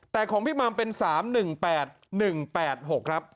แต่ของพี่มัมเป็น๓๑๘๑๘๖ครับ